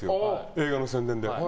映画の宣伝で。